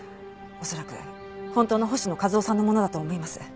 恐らく本当の星野一男さんのものだと思います。